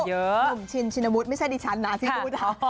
ฮุมชินชินวูชไม่ใช่ดิฉันที่พูดค่ะ